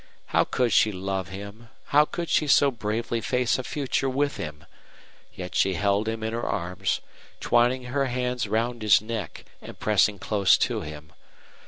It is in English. How could she love him how could she so bravely face a future with him? Yet she held him in her arms, twining her hands round his neck, and pressing close to him.